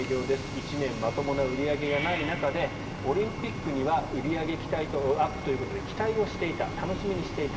１年まともな売り上げがない中でオリンピックには売り上げ期待アップということで楽しみにしていた。